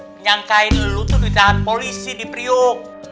menyangkain lo tuh ditahan polisi di priuk